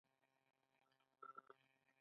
ایا زه باید په خوست کې اوسم؟